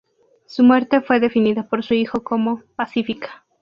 Su muerte fue definida por su hijo como "pacífica".